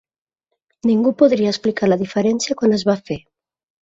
Ningú podria explicar la diferència quan es va fer.